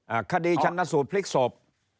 อ่าคดีชั้นนสูตรพลิกสบ